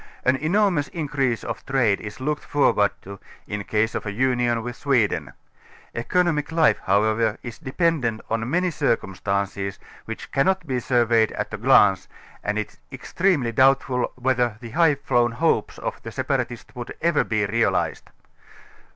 An enormous increase of trade is looked forward to, in case of a union with Sweden. Economic life however is dependent on many circumstances, which cannot be surveyed at a glance, and it is extremely doubtful whether the high flown hopes of the separatists would ever be realized.